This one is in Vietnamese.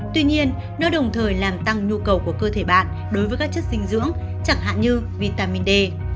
tuy nhiên nó đồng thời làm tăng nhu cầu của cơ thể bạn đối với các chất dinh dưỡng chẳng hạn như vitamin d